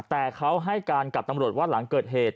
แต่เขาให้การกับตำรวจว่าหลังเกิดเหตุ